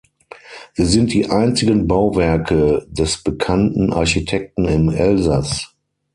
Sie sind die einzigen Bauwerke des bekannten Architekten im Elsass.